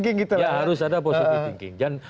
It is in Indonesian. ya harus ada positifin